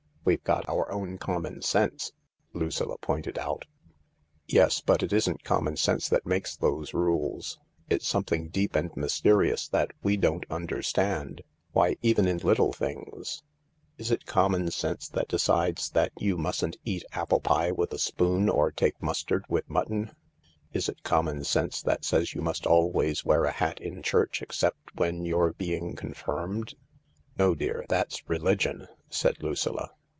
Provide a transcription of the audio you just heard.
" We've got our own common sense," Lucilla pointed out. " Yes, but it isn't common sense that makes those rules. It's something deep and mysterious that we don't under stand. Why, even in little things ... Is it common sense that decides that you mustn't eat apple pie with a spoon or take mustard with mutton ? Is it common sense that says you must always wear a hat in church except when you're being confirmed ?" "No, dear, that's religion," said Lucilla.